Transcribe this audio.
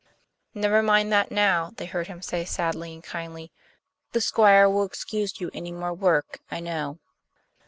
"Never mind that now," they heard him say sadly and kindly. "The Squire will excuse you any more work, I know."